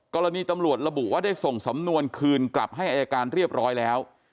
กรณีตำรวจระบุว่าได้ส่งสำนวนคืนกลับให้อายการเรียบร้อยแล้ว